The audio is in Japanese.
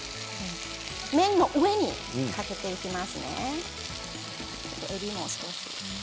麺の上にかけていきますね。